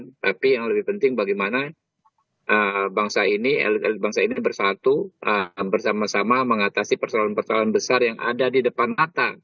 tapi yang lebih penting bagaimana bangsa ini elit elit bangsa ini bersatu bersama sama mengatasi persoalan persoalan besar yang ada di depan mata